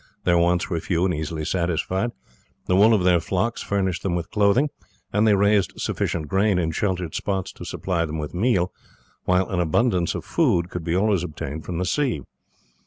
Their wants were few and easily satisfied. The wool of their flocks furnished them with clothing, and they raised sufficient grain in sheltered spots to supply them with meal, while an abundance of food could be always obtained from the sea.